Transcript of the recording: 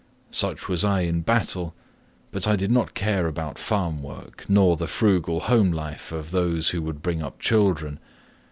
Such was I in battle, but I did not care about farm work, nor the frugal home life of those who would bring up children.